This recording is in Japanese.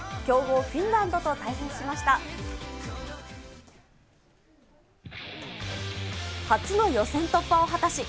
強豪、フィンランドと対戦しました。